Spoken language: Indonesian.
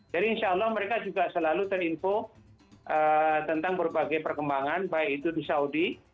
jadi insya allah mereka juga selalu terinfo tentang berbagai perkembangan baik itu di saudi